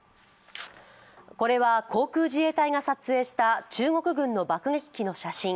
これは航空自衛隊が撮影した中国軍の爆撃機の写真。